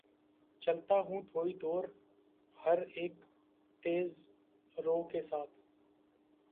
چلتا ہوں تھوڑی دور‘ ہر اک تیز رو کے ساتھ